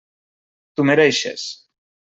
T'ho mereixes.